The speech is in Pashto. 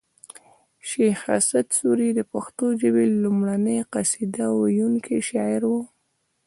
شیخ اسعد سوري د پښتو ژبې لومړنۍ قصیده ویونکی شاعر و